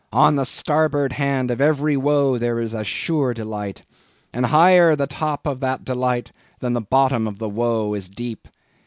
on the starboard hand of every woe, there is a sure delight; and higher the top of that delight, than the bottom of the woe is deep.